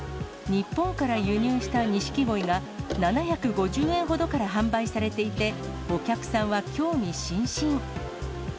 日本から輸入したニシキゴイが７５０円ほどから販売されていて、お客さんは興味津々。